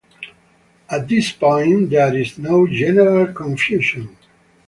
At this point, there is not general confusion.